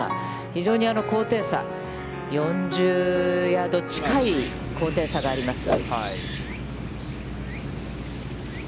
非常に高低差、４０ヤード近い高低差があります。